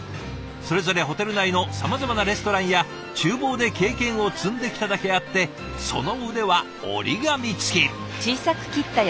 それぞれホテル内のさまざまなレストランやちゅう房で経験を積んできただけあってその腕は折り紙付き。